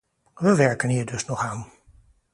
We werken hier dus nog aan.